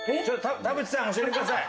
田渕さん教えてください。